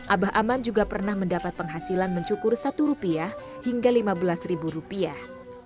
abah aman juga pernah mendapat penghasilan mencukur satu rupiah hingga lima belas ribu rupiah